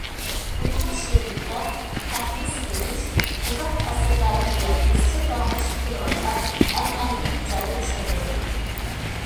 ئۇيغۇر شېئىرىيىتىدە تەخمىس يېزىش ئۇزاق ئەسىرلەردىن بۇيان ئىزچىل داۋاملىشىپ كېلىۋاتقان ئەنئەنىۋى ئىجادىيەت شەكلىدۇر.